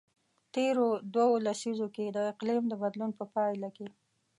تیرو دوو لسیزو کې د اقلیم د بدلون په پایله کې.